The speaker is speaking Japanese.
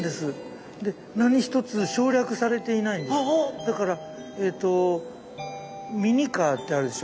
だからえとミニカーってあるでしょ。